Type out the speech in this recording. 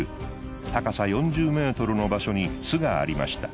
高さ４０ｍの場所に巣がありました。